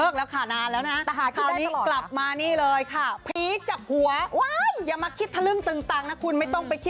คุณมานี่